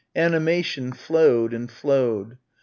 Animation flowed and flowed.